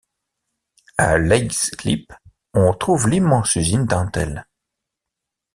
À Leixlip on trouve l'immense usine d'Intel.